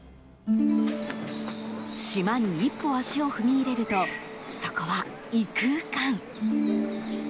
島に一歩足を踏み入れるとそこは異空間。